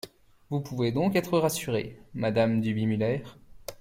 Vous pouvez donc être rassure, madame Duby-Muller.